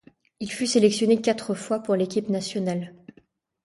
Il fut sélectionné quatre fois pour l’équipe nationale.